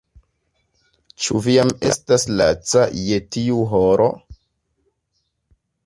Ĉu vi jam estas laca je tiu horo?